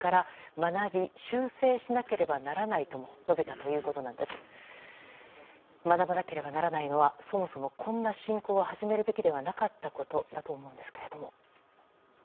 学ばなければならないのはそもそもこんな侵攻を始めるべきではなかったことだと思うんですけれども。